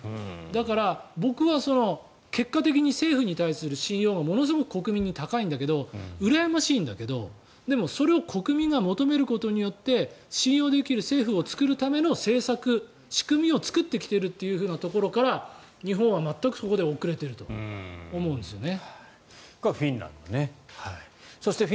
だから、僕は結果的に政府に対する信用がものすごく国民に高いんだけどうらやましいんだけどでも、それを国民が求めることによって信用できる政府を作るための政策、仕組みを作ってきているということから日本は全くそこで遅れていると思うんですね。